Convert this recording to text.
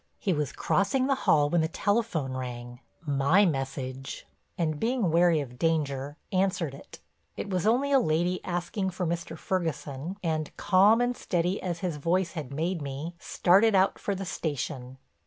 He was crossing the hall when the telephone rang—my message—and being wary of danger, answered it. It was only a lady asking for Mr. Ferguson, and, calm and steady as his voice had made me, started out for the station.